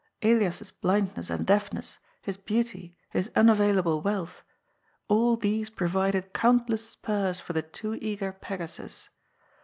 Elias's blindness and deafness, his beauty, his unavailable wealth, all these provided countless spurs for the too eager Pegasus.